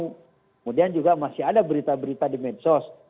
kemudian juga masih ada berita berita di medsos